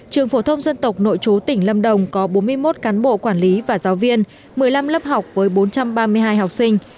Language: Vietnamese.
trường phổ thông dân tộc nội chú tỉnh lâm đồng có bốn mươi một cán bộ quản lý và giáo viên một mươi năm lớp học với bốn trăm ba mươi hai học sinh